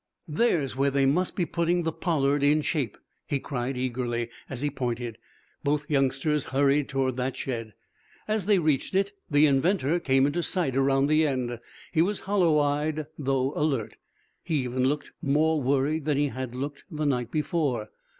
"There's where they must be putting the 'Pollard' in shape," he cried, eagerly, as he pointed. Both youngsters hurried toward that shed. As they reached it the inventor came into sight around the end. He was hollow eyed, though alert; he looked even more worried than he had looked the night before.